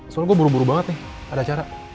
soalnya gua buru buru banget nih ada acara